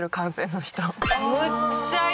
むっちゃいい！